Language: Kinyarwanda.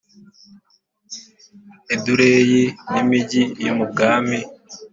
Edureyi nimigi yo mu bwami